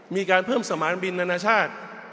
มีการเพิ่มสมานบินนานาชาติ